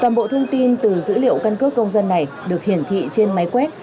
toàn bộ thông tin từ dữ liệu căn cước công dân này được hiển thị trên máy quét